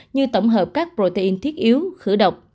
như tổng hợp các protein thiết yếu khử độc